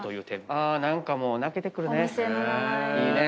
あ何かもう泣けてくるね。いいね。